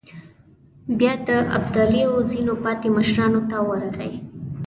بيا د ابداليو ځينو پاتې مشرانو ته ورغی.